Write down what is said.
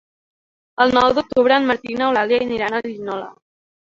El nou d'octubre en Martí i n'Eulàlia aniran a Linyola.